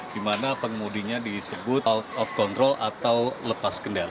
di mana pengemudinya disebut out of control atau lepas kendal